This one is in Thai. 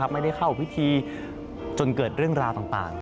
ไม่ได้เข้าพิธีจนเกิดเรื่องราวต่าง